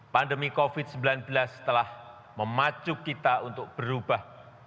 pandemi covid sembilan belas telah memacu kita untuk berubah